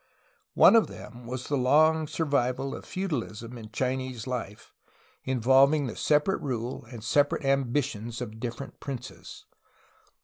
One of them was the long survival of feudalism in Chinese life, involving the separate rule and separate ambitions of different princes.